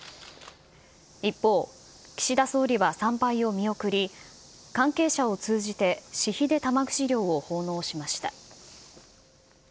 一方、岸田総理は参拝を見送り、関係者を通じて私費で玉串料を奉納しました。